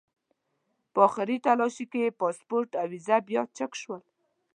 په آخري تالاشۍ کې مې پاسپورټ او ویزه بیا چک شول.